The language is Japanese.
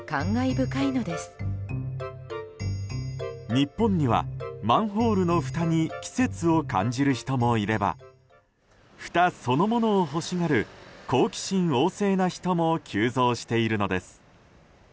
日本にはマンホールのふたに季節を感じる人もいればふたそのものを欲しがる好奇心旺盛な人も急増しているのです。